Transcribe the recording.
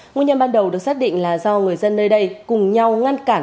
nguyên nhân ban đầu được xác định là do người dân nơi đây cùng nhau ngăn cản